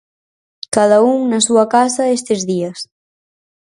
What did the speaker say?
Cada un na súa casa estes días.